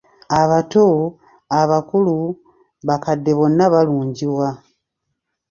"Abato, abakulu, bakadde bonna balungiwa."